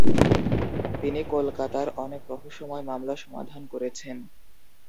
তিনি কলকাতার অনেক রহস্যময় মামলা সমাধান করেছেন।